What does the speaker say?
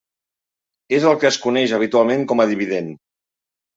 És el que es coneix habitualment com a dividend.